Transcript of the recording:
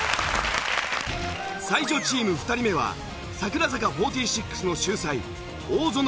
才女チーム２人目は櫻坂４６の秀才大園玲。